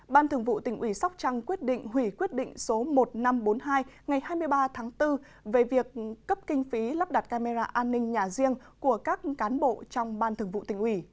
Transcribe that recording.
ban thường vụ tỉnh ủy sóc trăng quyết định hủy quyết định số một nghìn năm trăm bốn mươi hai ngày hai mươi ba tháng bốn về việc cấp kinh phí lắp đặt camera an ninh nhà riêng của các cán bộ trong ban thường vụ tỉnh ủy